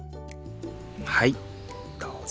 はいどうぞ。